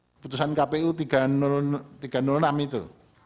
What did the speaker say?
keputusan kpu tiga ratus enam itu